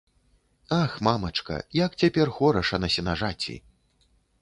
Ах, мамачка, як цяпер хораша на сенажаці!